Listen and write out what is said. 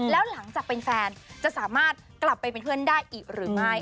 แล้วหลังจากเป็นแฟนจะสามารถกลับไปเป็นเพื่อนได้อีกหรือไม่